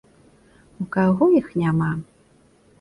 У каго іх няма!